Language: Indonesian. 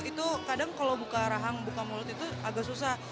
itu kadang kalau buka rahang buka mulut itu agak susah